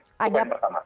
itu poin pertama